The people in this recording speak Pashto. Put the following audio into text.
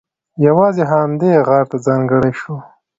یوازې همدې غار ته ځانګړی شو.